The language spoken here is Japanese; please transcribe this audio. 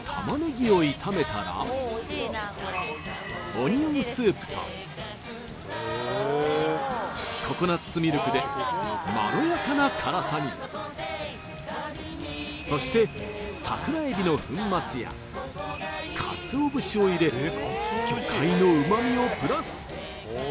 オニオンスープとココナッツミルクでまろやかな辛さにそして桜エビの粉末や鰹節を入れ魚介の旨味をプラス